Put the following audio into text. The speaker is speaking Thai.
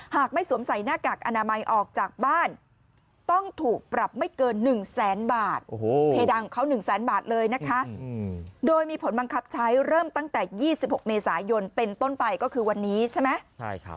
หลายยี่สิบหกเมษายนเป็นต้นไปก็คือวันนี้ใช่ไหมใช่ครับ